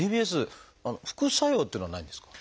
ＤＢＳ副作用っていうのはないんですか？